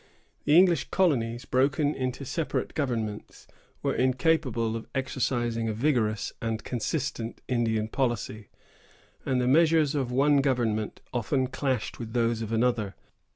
The English colonies, broken into separate governments, were incapable of exercising a vigorous and consistent Indian policy; and the measures of one government often clashed with those of another.